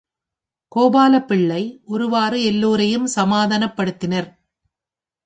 கோபாலபிள்ளை ஒருவாறு எல்லோரையும் சமாதானப்படுத்தினர்.